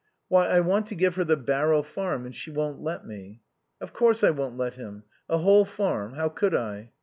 "Why, I want to give her the Barrow Farm and she won't let me." "Of course I won't let him. A whole farm. How could I?"